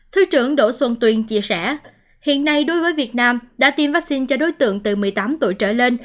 thứ trưởng đỗ xuân tuyên chia sẻ hiện nay đối với việt nam đã tiêm vaccine cho đối tượng từ một mươi tám tuổi trở lên